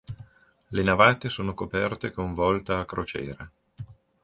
Le navate sono coperte con volta a crociera.